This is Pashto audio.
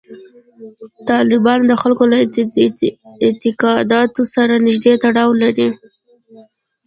تالابونه د خلکو له اعتقاداتو سره نږدې تړاو لري.